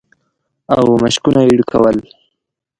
او مشکونه يې ډکول.